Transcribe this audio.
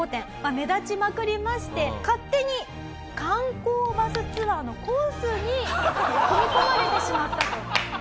目立ちまくりまして勝手に観光バスツアーのコースに組み込まれてしまったと。